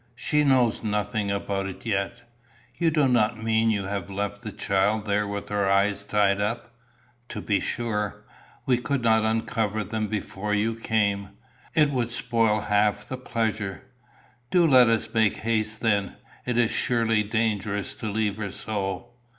"She knows nothing about it yet." "You do not mean you have left the child there with her eyes tied up." "To be sure. We could not uncover them before you came. It would spoil half the pleasure." "Do let us make haste then. It is surely dangerous to leave her so."